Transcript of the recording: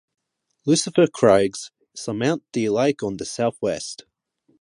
Lucifer Crags surmount the lake on the southwest.